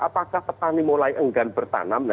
apakah petani mulai enggan bertanam